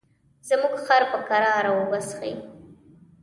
زموږ خر په کراره اوبه څښي.